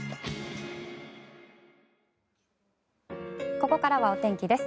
ここからはお天気です。